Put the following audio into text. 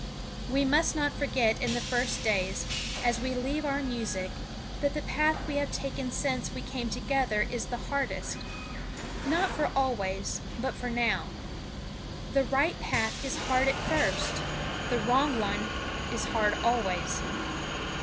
We must not forget in the first days, as we leave our music, that the path we have taken since we came together is the hardest; not for always, but for now. The right path is hard at first the wrong one is hard always.